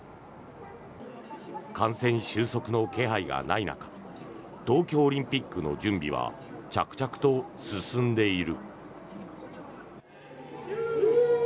感染収束の気配がない中東京オリンピックの準備は着々と進んでいる。